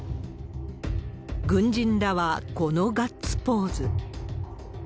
軍人らはこのガッツポーズ。